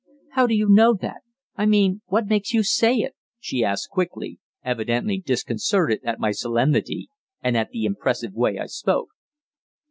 "How do you know that I mean what makes you say it?" she asked quickly, evidently disconcerted at my solemnity and at the impressive way I spoke.